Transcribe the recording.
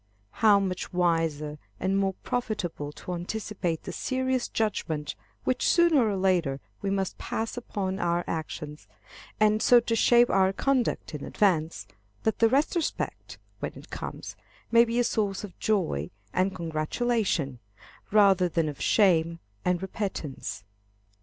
How much wiser and more profitable to anticipate the serious judgment which sooner or later we must pass upon our actions, and so to shape our conduct in advance, that the retrospect, when it comes, may be a source of joy and congratulation, rather than of shame and repentance.